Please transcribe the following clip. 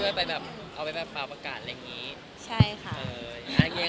มีนิทัศกาลภาพถ่ายจากศิลปิศหลายท่านค่ะ